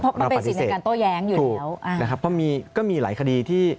เพราะต่อแย้งอยู่ที่แล้วอ่านะครับเพราะมีก็มีหลายคดีที่